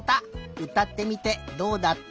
うたってみてどうだった？